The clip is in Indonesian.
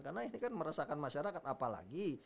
karena ini kan meresahkan masyarakat apalagi